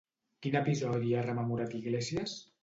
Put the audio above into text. Quin episodi ha rememorat Iglesias?